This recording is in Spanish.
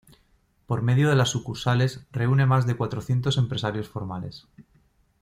Por medio de las sucursales reúne más de cuatrocientos empresarios formales.